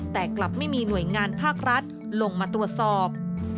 แต่กลับไม่มีหน่วยงานภาครัฐลงมาตรวจสอบ